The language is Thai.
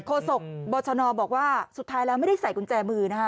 โศกบชนบอกว่าสุดท้ายแล้วไม่ได้ใส่กุญแจมือนะคะ